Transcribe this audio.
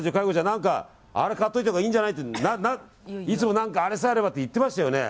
何か、あれ買っといたほうがいいんじゃない？っていつも何かあれさえあればって言ってますよね。